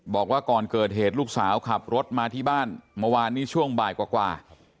บอกว่าก่อนเกิดเหตุลูกสาวขับรถมาที่บ้านเมื่อวานนี้ช่วงบ่ายกว่า